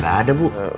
gak ada bu